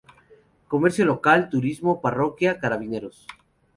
Comercio local, turismo, parroquia, carabineros.